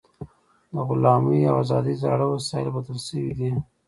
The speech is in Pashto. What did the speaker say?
د غلامۍ او ازادۍ زاړه وسایل بدل شوي دي.